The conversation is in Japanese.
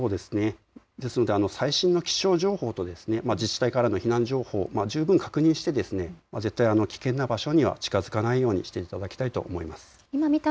ですので最新の気象情報を確認し自治体の避難情報も確認し危険な場所には近づかないようにしていただきたいと思います。